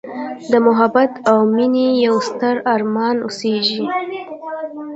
د محبت او میینې یوستر ارمان اوسیږې